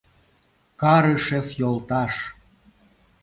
— Карышев йолташ!..